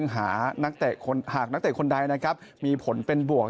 หากนักเตะคนใดมีผลเป็นบวก